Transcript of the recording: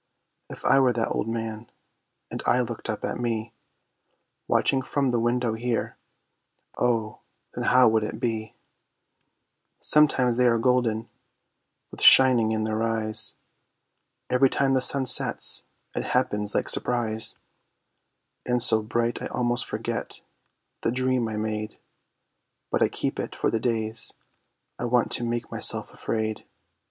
If I were that Old Man, and I looked up at me Watching from the window here, Oh, then how would it be? Sometimes they are golden, with shining in their eyes. Every time the sun sets, it happens like surprise, And so bright, I almost forget the dream I made; But I keep it, for the days I want to make myself afraid.